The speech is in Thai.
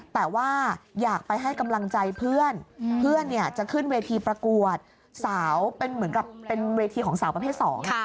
แต่ว่าอยากไปให้กำลังใจเพื่อนเพื่อนเนี่ยจะขึ้นเวทีประกวดสาวเป็นเหมือนกับเป็นเวทีของสาวประเภทสอง